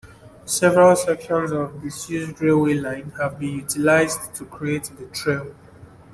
Several sections of disused railway line have been utilised to create the trail.